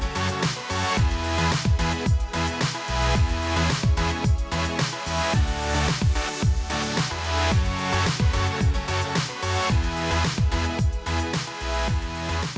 โปรดติดตามต่อไป